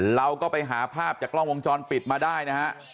เราก็ไปหาภาพจากกล้องวงจรปิดมาได้นะฮะ